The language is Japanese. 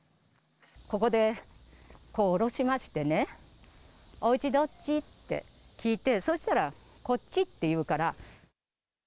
ここで、こう下ろしましてね、おうちどっち？って聞いて、そしたら、こっちって言うから。